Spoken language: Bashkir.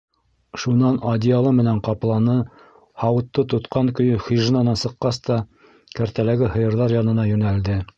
Шунан одеялы менән ҡапланы, һауытты тотҡан көйө хижинанан сыҡҡас та кәртәләге һыйырҙар янына йүнәлде.